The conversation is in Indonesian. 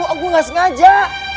aku gak sengaja